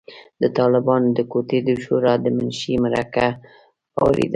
د طالبانو د کوټې د شورای د منشي مرکه اورېده.